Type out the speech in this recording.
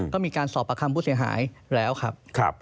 ก็มีการสอบประคำผู้เสียหายแล้วครับ